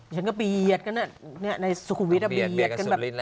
ฉันก็เบียดกันในสุขุมวิทย์เบียดกันแบบ